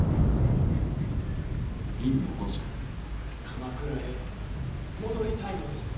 鎌倉へ戻りたいのです。